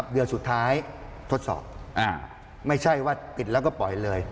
เดือนสุดท้ายทดสอบไม่ใช่ว่าติดแล้วก็ปล่อยเลย